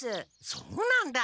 そうなんだ。